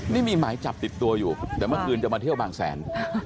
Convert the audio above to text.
นี่มีหมายจับติดตัวอยู่แต่เมื่อคืนจะมาเที่ยวบางแสน